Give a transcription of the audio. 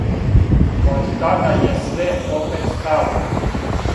Од тада је све опет стало.